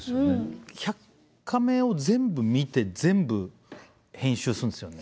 １００カメを全部見て全部編集するんですよね。